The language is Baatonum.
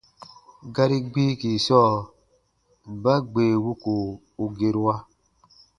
Gari gbiiki sɔɔ: mba gbee wuko u gerua?